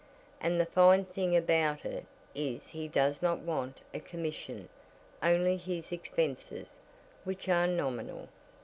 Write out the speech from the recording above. And the fine thing about it is he does not want a commission only his expenses, which are nominal."